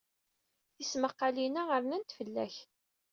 Tismaqqalin-a rnant fell-ak.